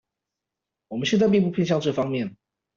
我們現在並不偏向這方面